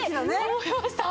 思いました！